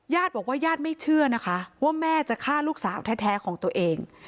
ญาติบอกว่าญาติไม่เชื่อนะคะว่าแม่จะฆ่าลูกสาวแท้ของตัวเอง